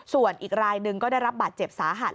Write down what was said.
ส่วนอีกรายหนึ่งก็ได้รับบาดเจ็บสาหัส